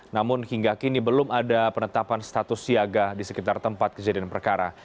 namun hingga kini belum ada penetapan status siaga di sekitar tempat kejadian perkara